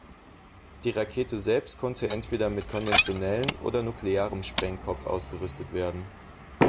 Die Rakete selbst konnte entweder mit konventionellem oder nuklearem Sprengkopf ausgerüstet werden.